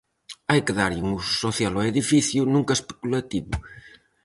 Hai que darlle un uso social ao edificio, nunca especulativo.